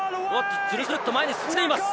ずずっと前に進んでいます。